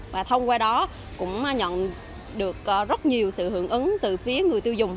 và thông qua đó cũng nhận được rất nhiều sự hưởng ứng từ phía người tiêu dùng